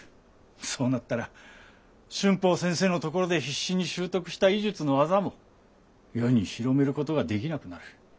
そうなったら春峰先生の所で必死に習得した医術の技も世に広めることができなくなる。